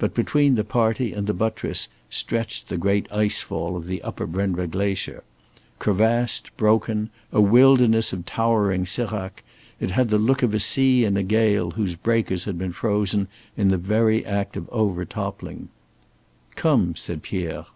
But between the party and the buttress stretched the great ice fall of the upper Brenva glacier. Crevassed, broken, a wilderness of towering séracs, it had the look of a sea in a gale whose breakers had been frozen in the very act of over toppling. "Come," said Pierre.